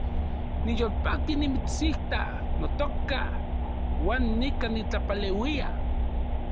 Niyolpaki nimitsita, notoka, uan nikan nitlapaleuia